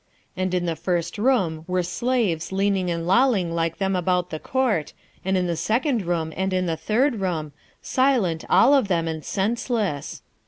And in the first room were slaves leaning and lolling like them about the Court, and in the second room and in the third room, silent all of them and senseless.